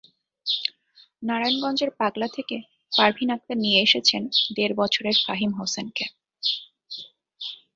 নারায়ণগঞ্জের পাগলা থেকে পারভীন আক্তার নিয়ে এসেছেন দেড় বছরের ফাহিম হোসেনকে।